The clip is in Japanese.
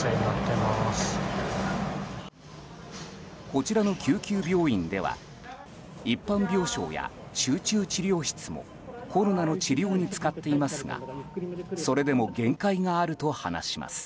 こちらの救急病院では一般病床や集中治療室もコロナの治療に使っていますがそれでも限界があると話します。